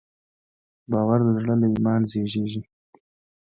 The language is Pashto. باور د زړه له ایمان زېږېږي.